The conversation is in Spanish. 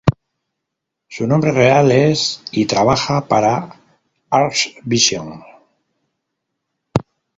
Su nombre real es y trabaja para Arts Vision.